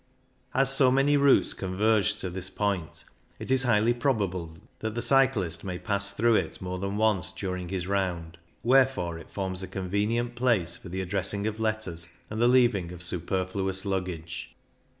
As so many routes con verge to this point, it is highly probable that the cyclist may pass through it more than once during his round ; wherefore it forms a convenient place for the addressing of letters and the leaving of superfluous luggage.